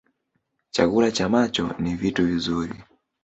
Chakula cha macho ni vitu vizuri